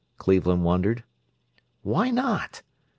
Cleveland wondered. "Why not?"